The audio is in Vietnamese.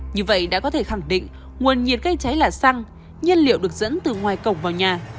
như vậy đã có thể khẳng định nguồn nhiệt gây cháy là xăng nhiên liệu được dẫn từ ngoài cổng vào nhà